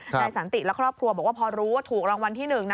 นายสันติและครอบครัวบอกว่าพอรู้ว่าถูกรางวัลที่๑นะ